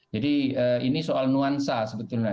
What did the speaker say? jadi ini soal nuansa sebetulnya